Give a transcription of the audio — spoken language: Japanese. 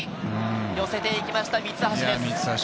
寄せて行きました、三橋です。